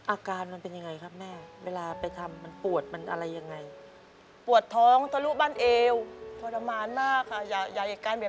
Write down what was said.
อาการมันเป็นยังไงครับแม่เวลาไปทำมันปวดมันอะไรยังไง